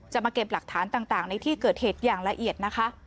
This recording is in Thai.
มาเก็บหลักฐานต่างในที่เกิดเหตุอย่างละเอียดนะคะ